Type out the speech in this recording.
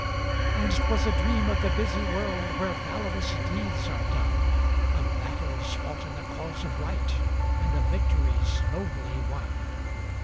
And 't was a dream of the busy world Where valorous deeds are done; Of battles fought in the cause of right, And of victories nobly won.